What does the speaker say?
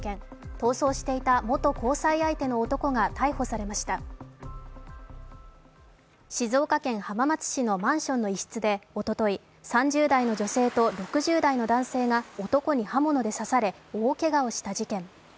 逃走していた元交際相手の男が逮捕されました静岡県浜松市のマンションの一室でおととい３０代の女性と６０代の男性が男に刃物で刺され大けがをした事件。